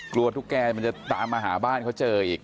ตุ๊กแกมันจะตามมาหาบ้านเขาเจออีก